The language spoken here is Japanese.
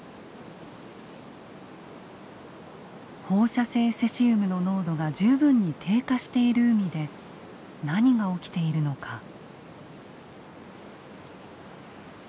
放射性セシウムの濃度が十分に低下している海で何が起きているのか。